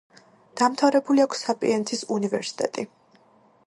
დამთავრებული აქვს საპიენცის უნივერსიტეტი.